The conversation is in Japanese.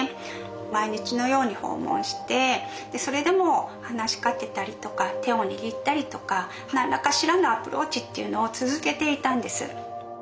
毎日のように訪問してそれでも話しかけたりとか手を握ったりとか何らかしらのアプローチっていうのを続けていたんです。